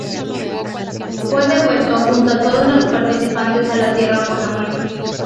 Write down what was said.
Fue devuelto junto a todos los participantes a la tierra por la Muerte.